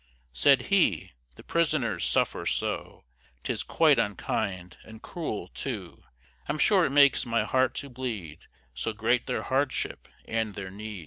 Said he, "The prisoners suffer so, 'Tis quite unkind and cruel, too; I'm sure it makes my heart to bleed, So great their hardship and their need."